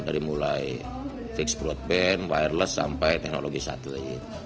dari mulai fixed broadband wireless sampai teknologi satelit